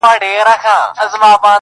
دا وچه بیدا یوې خندا له پاره نه ده څه